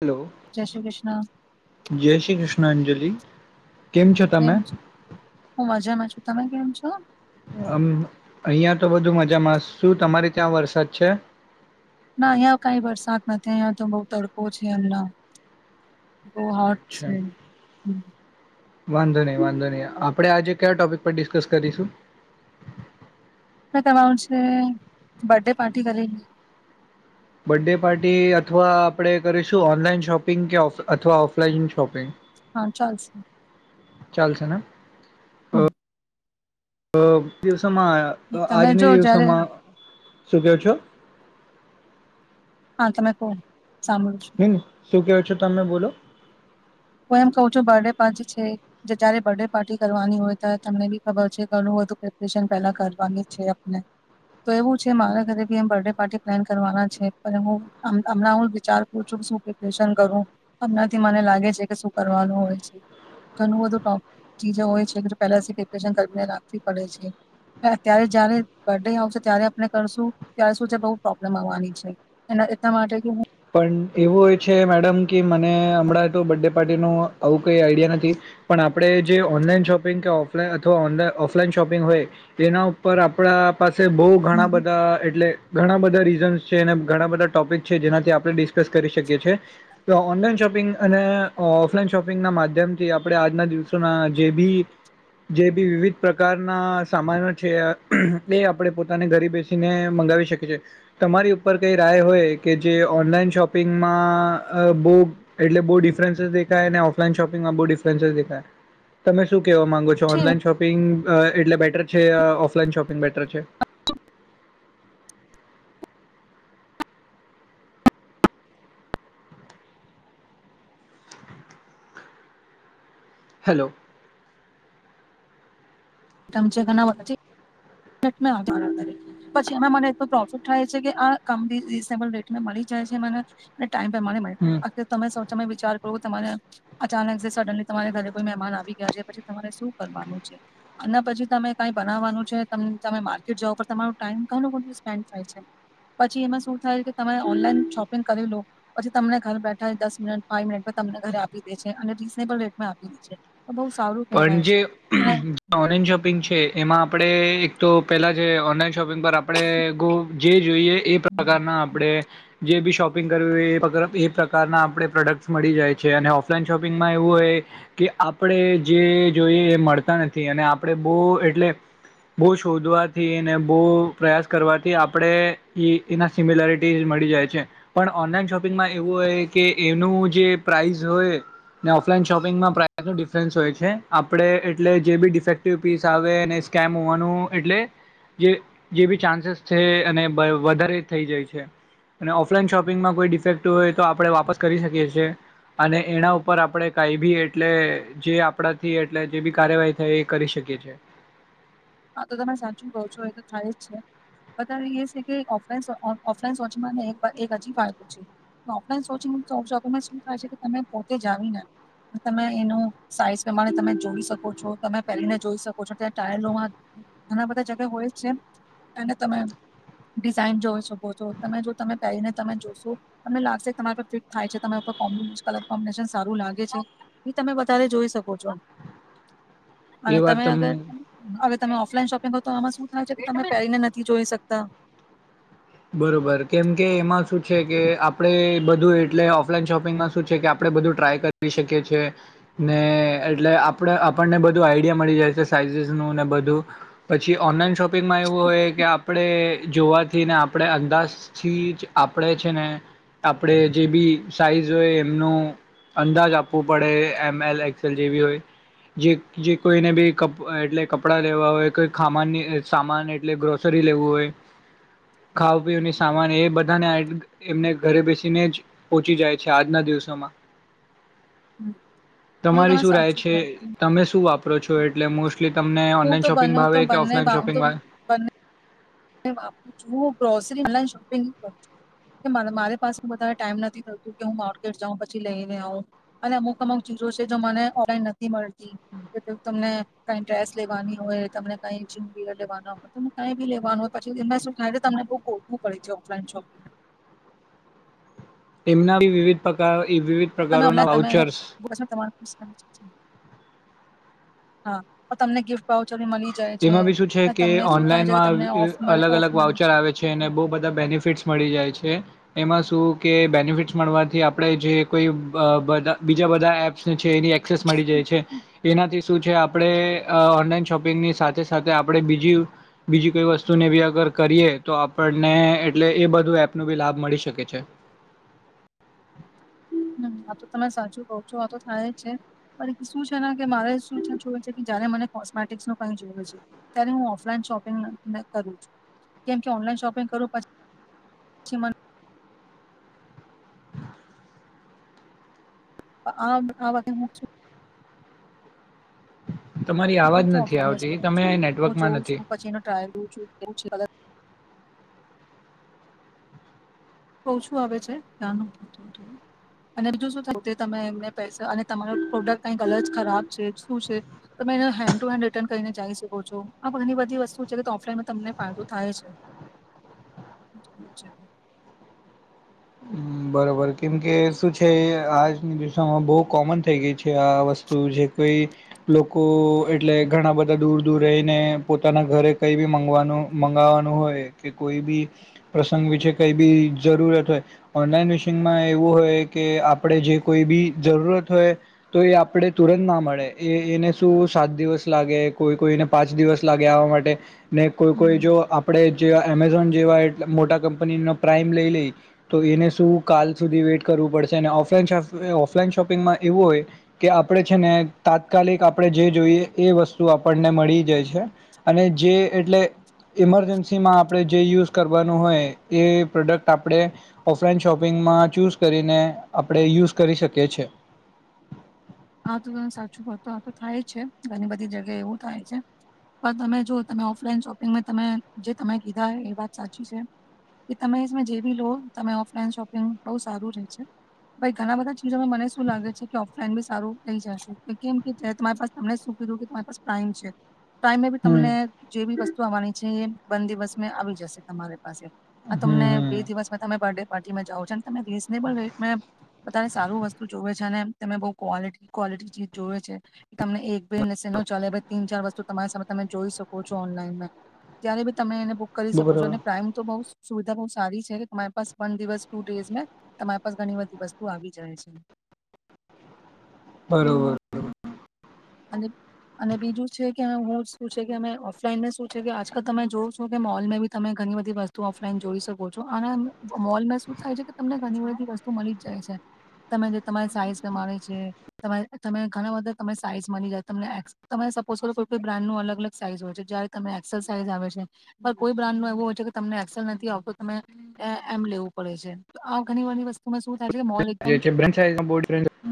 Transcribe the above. Hello જય શ્રી કૃષ્ણ જય શ્રી કૃષ્ણ. પૃષણાંજલિ. એમ હું મજામાં છું. તમે કેમ છો. આમ અહં તો બધુ મજામાં શું તમારી ત્યાં વરસાદ છે. ના અહિયાં કઈ વરસાદ નથી અહિયાં તો બહ તડકો છે હમલા. અચ્છા વાંધો નહી વાંધો નહી આપડે આજે કયા ટોપિક પર ડિસ્કસ કરીશું. મે તમારું છે બર્ડે પાર્ટી કરી. બર્ડે પાર્ટી અથવા આપણે કરીશું ઓનલાઈન શોપિંગ કે અથવા ઓફલાઈન શોપિંગ. હા ચાલશે. ચાલશે ના. હમ. અ [unintelligible] તો [unintelligible] તમે જો આજના જયારે દિવસોમાં શું કેવ છો? હા તમે કો. હમ શું કેવો છો તમે બોલો. હું એમ કું છું બર્થડે પાર્ટી છે જે જયારે બર્થડે પાર્ટી કરવાની હોય ત્યારે તમને બી ખબર છે કે ઘણું બધું પ્રેપરેશન પહેલા કરવાની છે આપને તો એવું છે મારા ઘરે બી એ બર્થડે પાર્ટી પ્લાન કરવાના છે પણ હું હમણા હું વિચાર પુ છું કે શું પ્રેપરેશન કરું હમનાથી મને લાગે છે. કરવાનું હોય ઘણું બધું ચી હોય છે પહેલા પ્રપશન કરીને રાખવી પડે છે અત્યારે જય્યારે બર્ ડે આવશે ત્યારે આપ કરશું ત્યારે શું છે બ પ્રોબ્લેમ આવવાની છે એટલા માટે. પણ એવું હોય છે મેડમ કે મને હમણાં તો બે [unintelligible] આવું કઈ આઈડિયા નથી. પણ આપડે જે ઓનલાઈન શોપિંગ કે ઓફલાઈ અથવા ઓનલઈ ઓફલાઈન શોપિંગ હોય. એના ઉપર આપડા પાસે છે. બહુ ઘણા બધા એટલે ઘણા બધા રીઝન્સ છે. ને ઘણા બધા ટોપિક છે. જેનાથી આપ આપડે ડિસ્કસ કરી શકીએ છીએ. તો ઓનલાઈન શોપિંગ અને ઓફલાઈન શોપિંગના માધ્યમથી આપડે આજના દિવસોના જે બી જે બી વિવિધ પ્રકારના સામાનો છે. એ આપડે પોતાને ઘરે બેસીને મંગાવી શકીએ છીએ. તમારી ઉપર કઈ રાય હોય કે જે ઓનલાઈન શોપિંગમાં અ બઉ એટલે બઉ ડિફરન્સીસ દેખાયને ઓફલાઈન શોપિંગમાં બઉ ડિફરન્સીસ દેખાય. તમે શું કહેવા માંગો છો. હમ ઓનલાઈન શોપિંગ અ એટલે બેટર છે. અ ઓફલાઈન શોપિંગ બેટર છે. હેલો. તમ છે ઘણા [unintelligible] [unintelligible] પછી એમાં મને એટલું પ્રોફિટ થાય છે કે આ કામ બી રીઝનેબલ રેટમાં મળી જાય છે મને ટાઈમ પ્રમાણે મળે. હમ અત્યાર તમે તમે વિચાર કરો તમારે અચાનક છે સડનલી તમારે ઘરે કોઈ મહેમાન આવી ગયા છે. પછી તમારે શું કરવાનું છે અને પછી તમે કઈ બનાવવાનું છે તમ તમે માર્કેટ જાઓ પર તમારો ટાઈમ ઘણું બધું સ્પેન્ડ થાય છે. પછી એમાં શું થાય કે તમે ઓનલાઈન શોપિંગ કરી લો પછી તમને ઘર બેઠા દસ મિનિટ ફાઈવ મિનિટ પર તમને ઘરે આપી દે છે. અને રીઝનેબલ રેટમાં આપી દે છે. તો બહુ સારું પણ કહેવાય જે છે અને ઓનલાઈન શોપિંગ છે એમાં આપડે તો પેલા જે ઓ પિંગ પર આપડે ગો જે જોઈએ એ પ્રકારના આપડે જે બી શોપ પિંગ કરવી [unintelligible] એ પ્રકારના આપડે પ્રોડક્ટસ મળી જાય છે. અને ઓફલાઈન શોપિંગમાં એવું હોય કે આપડે જે જોઈએ એ મળતા નથી. અને આપડે બઉ એટલે બઉ શોધવાથી ને બઉ પ્રયાસ કરવાથી આપડે એ એના સિમિલરિટી મળી જાય છે. પણ ઓનલાઈન શોપિંગમાં એવું હોય કે એનું જે પ્રાઇસ હોય ને ઓફલાઈન શોપિંગમાં પ્રાઇસનું ડિફરન્સ હોય છે. આપડે એટલે જે બી ડિફેક્ટિવ પીસ આવે ને સ્કેમ હોવાનું એટલે જે જે બી ચાન્સીસ છે અને વધારે થઈ જાય છે. અને ઓફલાઈન શોપિંગમાં કોઈ ડિફેક્ટિવ હોય તો આપડે વાપસ કરી શકીએ છીએ. અને એના ઉપર આપડે કઈ બી એટલે જે પડાથી એટલે જે બી કાર્યવાહી થાય એ કરી શકીએ છીએ. આ તો તમે સાચું કો છો. એ તો થાય જ છે. અતારે એ છે કે ઓફઈન સો ઓન ઓફલાઈન સોચિંગમાંને એક એક હજી ફાયદો છે. ઓફલાઈન સોચિંગ શોપિંગમાં શું થાય છે. કે તમે પોતે જાણીને તમે એનો સાઈઝ પ્રમાણે તમે જોઈ શકો છો. તમે પહેરીને જોઈ શકો છો. ત્યાં ટ્રાયલોમાં ઘણા બધા જગા હોય છે. અને તમે ડિઝાઇન જોઈ શકો છો. તમે જો તમે પહેરીને તમે જોશો. તમને લાગશે તમારા પર ફિટ થાય છે. તમારે પર કોમ્બિશ કલર કોમ્બિનેશન સારું લાગે છે. ઈ તમે વધારે જોઈ શકો છો. અને એ તમે વાત તમને અગર તમે ઓફલાઈન શોપિંગ હોય તો આમાં શું થાય છે, કે તમે પેરીને નથી જોઈ શકતા. બરોબર કેમ કે એમાં શું છે કે આપડે બધું એટલે ઓફલાઈન શોપિંગમાં શું છે કે. આપડે બધું ટ્રાય કરી શકીએ છીએ. ને એટલે આપડે આપડને બધું આઈડિયા મળી જાય છે. સાઈઝસનું ને બધું પછી ઓનલાઈન શોપિંગમાં એવું હોય કે, આપડે જોવાથી ને આપડે અંદાજથી જ આપડે છે ને આપડે જે બી સાઈઝ હોય એમનું અંદાજ આપવું પડે. એમ, એલ, એક્સએલ જેવી હોય. જે જે કોઈને બી કપ એટલે કપડાં લેવા હોય, કોઈ ખામાનની સામાન એટલે ગ્રોસરી લેવું હોય ખાવા-પીવાની સામાન એ બધાને એમને ઘરે બેસીને જ પોચી જાય છે. આજના દિવસોમાં. હા તો તમારી તમે શું રાય સાચું છે કહો તમે શું વાપ રો છો એટલે મોસ્ટ કે તમને હું ઓનલાઈન તો શોપિંગ બને હું તો ભાવે કે બંને ઓફલાઈન બા હું શોપિંગ તો ભાવે? બંને વાપરું છું. ગ્રોસરી ઓનલાઈન શોપિંગ કરુ છું. કે મારે મારે પાસે વધારે ટાઈમ નથી થતું કે હું માર્કેટ જાઉં પછી લઈને આવ. અને અમુક-અમુક ચીજો છે. જો મને ઓનલાઈન નથી મળતી. એટલે તમને કઈ ડ્રેસ લેવાની હોય તમને કઈ જીનયર લેવાના હોય તમે કઈ બી લેવાનું પછી એમાં શું થાય છે તમને બઉ ગોતવું પડે છે. ઓફલાઈન શોપિંગમાં. એમના બી વિવિધ પ્રકાર વિવિધ પ્રકારોના [unintelligible] વાઉચર્સ હા. તમને ગિફ્ટ વાવ એમાં બી શું છે કે, થાય છે કે ઓનલાઈનમાં તમને અ ઓફ મળે ઓફ અલગ-અલગ મળે વાઉચર આવે છે ને બઉ બધા બેનિફિટ્સ મળી જાય છે. એમાં શું કે, બેનિફિટસ મળવાથી આપડે જે કોઈ બ બધા બીજા બધા એપ્સ છે. એની એક્સેસ મળી જાય છે. એનાથી શું છે આપડે અ ઓનલાઈન શોપિંગની સાથે-સાથે આપડે બીજી બીજી કોઈ વસ્તુને બી અગર કરીએ તો, આપડને એટલે એ બધું એપનો બી લાભ મળી શકે છે. હ આ તો તમે સાચું કો છો. આ તો થાય જ છે. પણ શું છે ને કે મારે શું થતું હોય છે કે જારે મને કોસ્મેટિકસ ન કઈ જોવે છે. ત્યારે હું ઓફલાઈન શોપિંગ કરું છું. કેમકે ઓનલાઈન શોપિંગ કરું પછી મન [unintelligible] તમારી હું આવાજ નથી આવતી તમે નેટવર્કમાં જોઉં નથી છું પછી એનો ટ્રાયલ લવ છું [unintelligible] બહ શું આવે છે, નવધ્યા અને બીજું શું થું તે તમે એમને પૈસા અને તમારો પ્રોડક્ટ કંઈક અલ જ ખરાબ છે. શું છે તમે એને હેન્ડ ટુ હેન્ડ રિટર્ન કરીને જઈ શકો છો. આ ઘણી બધી વસ્તુ છે કે તો ઓફલાઈનમાં તમને ફાયદો થાય છે છે બરોબર કેમ કે શું છે, આજની દિશામાં બહુ કોમન થઈ ગઈ છે, આ વસ્તુ જે કોઈ લોકો એટલે ઘણા બધા દૂર દૂર રહીને, પોતાના ઘરે કંઈ બી મગવાનું મંગાવવાનું હોય કે કોઈ બી પ્રસંગ વિશે કઈ બી જરૂરત હોય ઓનલાઈન વિશિંગમાં એવું હોય કે આપણે જે કોઈ બી જરૂરત હોય તો એ આપણે તુરંત ના મળે એ એને શું સાત દિવસ લાગે, કોઈ કોઈને પાંચ દિવસ લાગે, આવા માટે ને કોઈ કોઈ હમ જો આપડે જે એમેઝોન જેવા એ મોટા કંપનીનો પ્રાાઈમ લઈ લઈ તો એને શું કાલ સુધી વેઇટ કરવું પડશે અને, ઓફલાઈન, ઓફલાઈન શોપિંગમાં એવું હોય કે, આપણે છે ને તાત્કાલિક આપણે જે જોઈએ એ વસ્તુ આપણને મળી જાય છે, અને જે એટલે ઈમરજન્સીમાં આપણે જે યુઝ કરવાનું હોય એ પ્રોડક્ટ આપણે ઓફલાઈન શોપિંગમાં ચૂઝ કરીને, આપણે યુઝ કરી શકીએ છે આ તો સાચું વાત આ તો થાય છે, ઘણી બધી જગ્યાએ એવું થાય છે, પણ તમે જો તમે ઓફલાઈન શોપિંગ તમે જે તમે કીધા એ વાત સાચી છે, કે તમે જેવી લો તમે ઓફલાઈન શોપિંગ બઉુ સારું રહે છે, ભાઈ ઘણા બધા ચીજોમાં મને શું લાગે છે, કે ઓફલાઈન બી સારું લઇ જશે, કેમ ક તમારી પાસ તમને શું કીધું કે તમારી પાસ પ્રાઈમ છે પ્રાઈમ બી હમ તમને જે બી વસ્તુ આવવાની છે એ બે દિવસ મે આવી જશે તમારે પાસે આ હમ તમને હમ બે દિવસમાં તમે બર્ડે પાર્ટીમાં જાઉ તમે રીઝનેબલ રેટ મે બને સારું વસ્તુ જોુવે છે, ને તમે બઉ ક્વોલિટી, ક્વોલિટી ચી જોઈવે છે, કે તમને એક બે નસીનો ચાલે ભાઈ તીન, ચાર, વસ્તુ તમારી સામે તમે જોઈ શકો છો ઓનલાઈનમાં, ત્યારે બી તમે એને બુક કરી શકો બરોબર છો, અને પ્રાઈઇમ તો બઉ સુવિધા બહુ સારી છે કે તમારી પાસ વન દિવસ ટુ ડેઝ તમારી પાસ ઘણી બધી વસ્તુ આવી જાય છે બરોબર અને અને બીજું છે કે હું શું છે કે અમે ઓફલાઈનને શું છે કે આજકાલ તમે જોઉ છો કે મોલમાં બી તમે ઘણી બધી વસ્તુ ઓફલાઈન જોઈ શકો છો અને મોલ મહેસૂસ થાય છે કે તમને ઘણી બધી વસ્તુ મળી જ જાય છે તમે જે તમારી સાઈઝ મા છે તમે ઘણા બધા ત સાઈઝ મળી જાય તમને તમે સપોઝ કરો કોઈઈ બ્રાન્ડ નું અલગ અલગ સાઈઝ હોય છે જયારે ત એક્સેલ સાઈઝ આવે છે પણ કોઈ બ્રાન્ડ ન એવું હોય છે કે તમને એક્સેલ નથી આવતો તમે એ એમ લેવું પડે છે તો ઘણી વા વસ્તુ જે બો [inaudible]